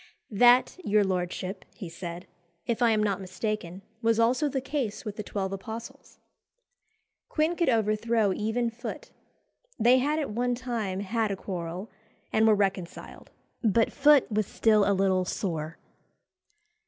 "That, your lordship," he said, "if I am not mistaken, was also the case with the twelve apostles." Quin could overthrow even Foote. They had at one time had a quarrel, and were reconciled, but Foote was still a little sore.